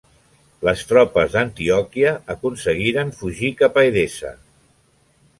Les tropes d'Antioquia aconseguiren fugir cap a Edessa.